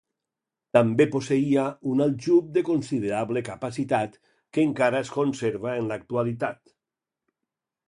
També posseïa un aljub de considerable capacitat que encara es conserva en l'actualitat.